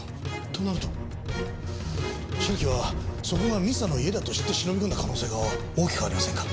となると白木はそこが美佐の家だと知って忍び込んだ可能性が大きくありませんか？